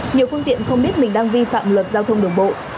nhiều phương tiện không biết mình đang vi phạm luật giao thông đường bộ